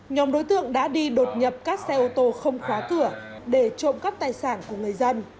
nhóm đối tượng đã đi đột nhập các xe ô tô không khóa cửa để trộm cắp tài sản của người dân